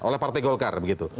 oleh partai golkar begitu